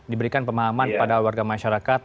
diberikan pemahaman kepada warga masyarakat